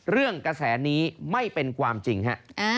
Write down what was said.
กระแสนี้ไม่เป็นความจริงฮะ